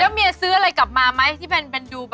เมียซื้ออะไรกลับมาไหมที่เป็นดู